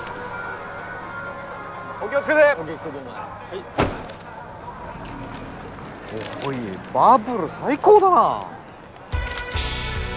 おいバブル最高だな！